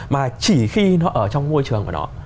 mà chỉ khi nó ở trong môi trường của nó